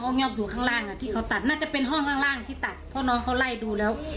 งอกอยู่ข้างล่างอ่ะที่เขาตัดน่าจะเป็นห้องข้างล่างที่ตัดเพราะน้องเขาไล่ดูแล้ว